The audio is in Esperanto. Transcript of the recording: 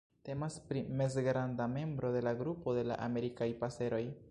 Temas pri mezgranda membro de la grupo de la Amerikaj paseroj.